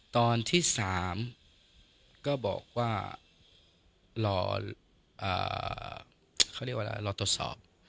ตอนที่๓ก็บอกว่ารอเขาเรียกว่าอะไรรอตรวจสอบ